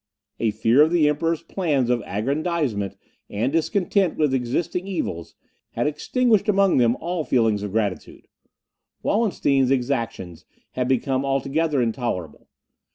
A fear of the Emperor's plans of aggrandizement, and discontent with existing evils, had extinguished among them all feelings of gratitude. Wallenstein's exactions had become altogether intolerable.